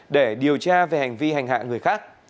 để điều tra về hành vi hành hạ người khác